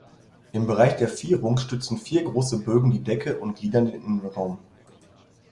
Im Bereich der Vierung stützen vier große Bögen die Decke und gliedern den Innenraum.